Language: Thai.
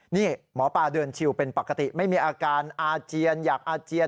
นี่หมอปลาเดินชิวเป็นปกติไม่มีอาการอาเจียนอยากอาเจียน